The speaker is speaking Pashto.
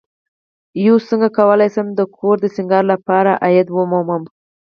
uڅنګه کولی شم د کور د سینګار لپاره آئیډیا ومومم